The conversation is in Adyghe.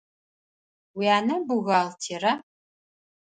Уянэ бухгалтера?